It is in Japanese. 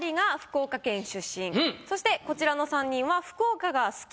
そしてこちらの３人は。